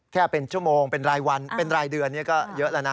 แค่เป็นชั่วโมงเป็นรายวันเป็นรายเดือนนี่ก็เยอะแล้วนะ